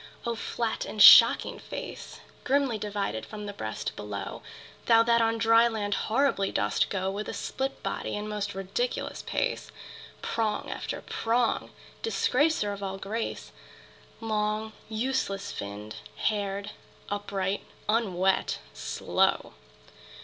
O flat and shocking face, Grimly divided from the breast below! Thou that on dry land horribly dost go With a split body and most ridiculous pace, Prong after prong, disgracer of all grace, Long useless finned, haired, upright, unwet, slow!